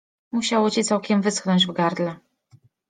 Musiało ci całkiem wyschnąć w gardle.